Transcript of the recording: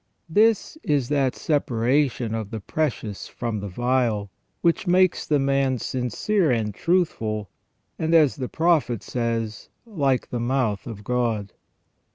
This is that separation of the precious from the vile which makes the man sincere and truthful, and, as the Prophet says, "like the mouth of God".